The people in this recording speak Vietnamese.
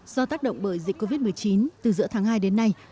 do tác động bởi dịch covid một mươi chín từ giữa tháng hai đến nay